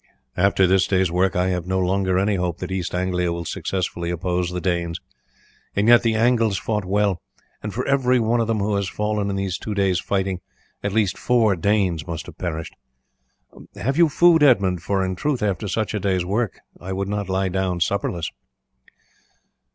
After this day's work I have no longer any hope that East Anglia will successfully oppose the Danes. And yet the Angles fought well, and for every one of them who has fallen in these two days' fighting at least four Danes must have perished. Have you food, Edmund, for in truth after such a day's work I would not lie down supperless?"